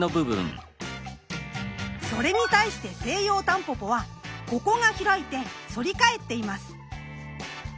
それに対してセイヨウタンポポはここが開いて反り返っています。